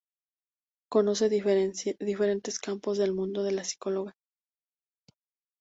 Conoce diferentes campos del mundo de la psicología.